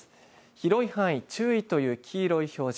広い範囲注意という黄色い表示。